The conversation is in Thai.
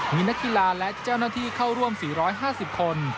มีนักกีฬาและเจ้าหน้าที่เข้าร่วม๔๕๐คน